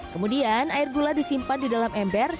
kemudian air gula disimpan di dalam ember